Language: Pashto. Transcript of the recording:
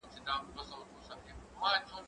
هغه وويل چي وخت تنظيم کول ضروري دي،